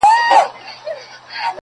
اوس دا يم ځم له خپلي مېني څخه.